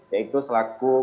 yaitu selaku politik